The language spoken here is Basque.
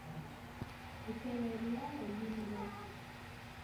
Etxe berria egin duk.